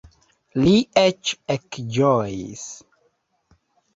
Li eĉ ekĝojis.